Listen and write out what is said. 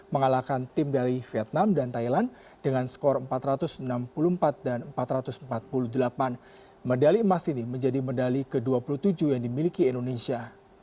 medali emas ini menjadi medali ke dua puluh tujuh yang dimiliki indonesia